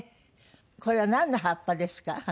これはなんの葉っぱですか？